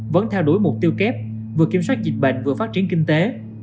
vẫn theo đuổi mục tiêu kép vừa kiểm soát dịch bệnh vừa phát triển kinh tế